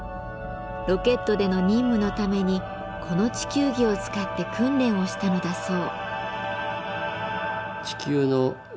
ロケットでの任務のためにこの地球儀を使って訓練をしたのだそう。